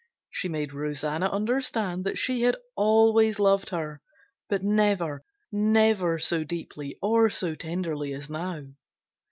She made Rosanna understand that she had always loved her but never, never so deeply or so tenderly as now.